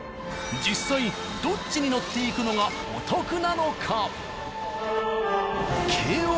実際どっちに乗って行くのがお得なのか。